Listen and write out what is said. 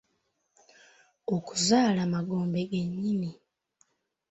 Okuzaala magombe gennyini.